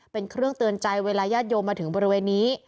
เป็นเครื่องเตือนใจเวลาญาติโยมมาถึงบริเวณนี้